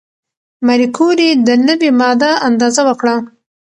ماري کوري د نوې ماده اندازه وکړه.